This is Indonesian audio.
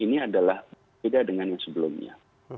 ini adalah beda dengan yang sebelumnya